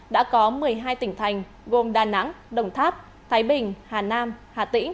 đã có một mươi hai tỉnh thành gồm đà nẵng đồng tháp thái bình hà nam hà tĩnh